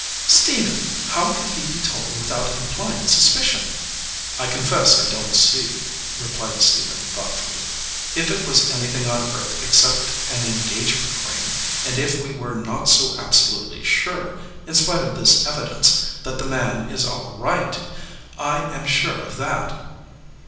"Stephen, how could he be told without imply ing suspicion ?" "I confess I don t see," replied Stephen, thought fully. "If it was anything on earth except an en gagement ring, and if we were not so absolutely sure, in spite of this evidence, that the man is all right! I am sure of that.